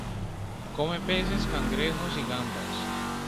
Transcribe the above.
Come peces, cangrejos y gambas.